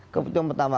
kemudian yang pertama